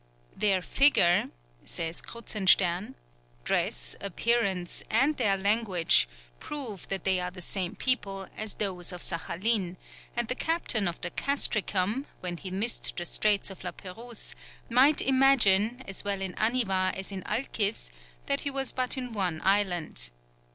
] "Their figure," says Kruzenstern, "dress, appearance, and their language, prove that they are the same people, as those of Saghalien; and the captain of the Castricum, when he missed the Straits of La Pérouse, might imagine, as well in Aniwa as in Alkys, that he was but in one island....